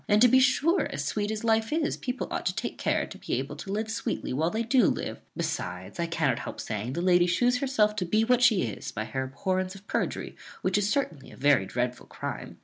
And, to be sure, as sweet as life is, people ought to take care to be able to live sweetly while they do live; besides, I cannot help saying the lady shews herself to be what she is, by her abhorrence of perjury, which is certainly a very dreadful crime.